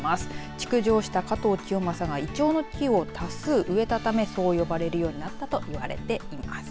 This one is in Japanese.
築城した加藤清正がいちょうの木を多数植えたためそう呼ばれるようになったといわれています。